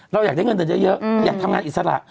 เราอยากเงินเยอะอยากทำงานอิสละ